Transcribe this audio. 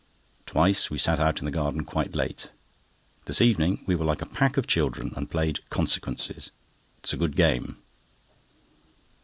Twice we sat out in the garden quite late. This evening we were like a pack of children, and played "consequences." It is a good game.